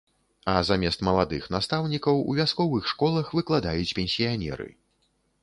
А замест маладых настаўнікаў у вясковых школах выкладаюць пенсіянеры.